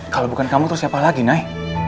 kalau bukan kamu terus siapa lagi naik